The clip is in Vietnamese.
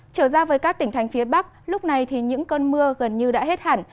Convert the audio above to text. trở ra với các tỉnh thành phía bắc lúc này thì những cơn mưa gần như đã hết hẳn